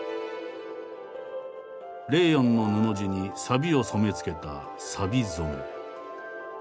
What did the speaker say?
レーヨンの布地にさびを染め付けた「さび染め」。